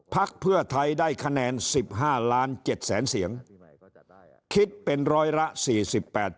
พักเพื่อไทยได้คะแนนสิบห้าล้านเจ็ดแสนเสียงคิดเป็นร้อยละสี่สิบแปด